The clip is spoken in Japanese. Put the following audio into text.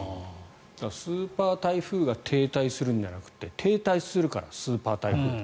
スーパー台風が停滞するんじゃなくて停滞するからスーパー台風と。